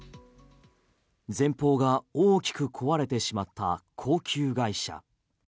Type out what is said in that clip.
前方が大きく壊れてしまった高級外車。